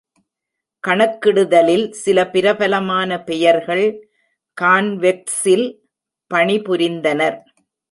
கணக்கிடுதலில் சில பிரபலமான பெயர்கள் கான்வெக்ஸில் பணிபுரிந்தனர்.